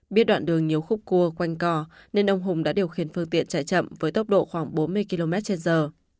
biết đoạn đường nhiều khúc cua quanh cò nên ông hùng đã điều khiển phương tiện chạy chậm với tốc độ khoảng bốn mươi km trên giờ